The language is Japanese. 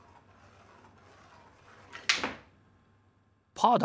パーだ！